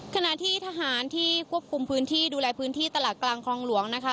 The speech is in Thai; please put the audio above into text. ขณะที่ทหารที่ควบคุมพื้นที่ดูแลพื้นที่ตลาดกลางคลองหลวงนะคะ